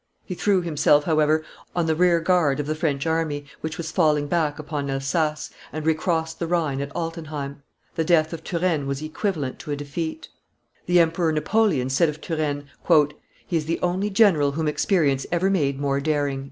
He threw himself, however, on the rearguard of the French army, which was falling back upon Elsass, and recrossed the Rhine at Altenheim. The death of Turenne was equivalent to a defeat. [Illustration: Death of Turenne 443] The Emperor Napoleon said of Turenne, "He is the only general whom experience ever made more daring."